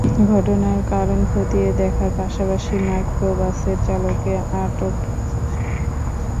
ঘটনার কারণ খতিয়ে দেখার পাশাপাশি মাইক্রোবাসের চালককে আটকের চেষ্টা করা হচ্ছে।